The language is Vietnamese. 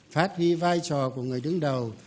phát huy vai trò của người đứng đầu